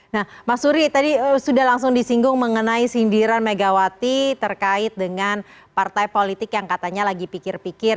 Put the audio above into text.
nah mas suri tadi sudah langsung disinggung mengenai sindiran megawati terkait dengan partai politik yang katanya lagi pikir pikir